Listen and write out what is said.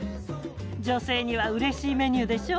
女性にはうれしいメニューでしょ。